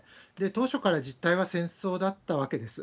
当初から実態は戦争だったわけです。